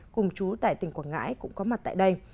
cùng chú tại tỉnh quảng ngãi cũng có mặt tại đây